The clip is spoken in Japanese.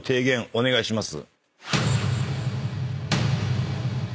お願いします。